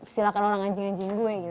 silahkan orang anjing anjing gue gitu